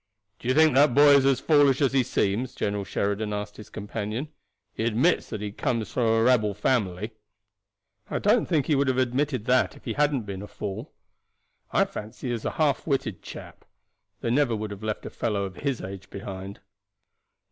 "Do you think that boy is as foolish as he seems?" General Sheridan asked his companion. "He admits that he comes of a rebel family." "I don't think he would have admitted that if he hadn't been a fool. I fancy he is a half witted chap. They never would have left a fellow of his age behind."